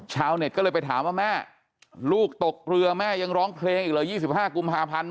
ชาวเน็ตก็เลยไปถามว่าแม่ลูกตกเรือแม่ยังร้องเพลงอีกเหรอ๒๕กุมภาพันธ์